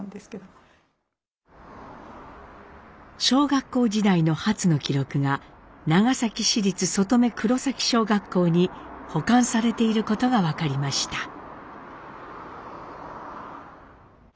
小学校時代のハツの記録が長崎市立外海黒崎小学校に保管されていることが分かりました。